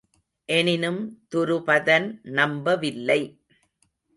எனினும் துருபதன் நம்ப வில்லை.